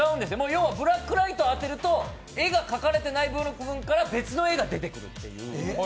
要はブラックライトを当てると、絵が描かれてない部分から別の絵が出てくるという。